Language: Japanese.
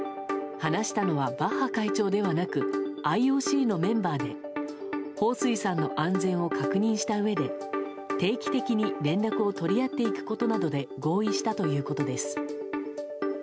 話したのはバッハ会長ではなくＩＯＣのメンバーでホウ・スイさんの安全を確認したうえで定期的に連絡を取り合っていくことなどで合意したということです。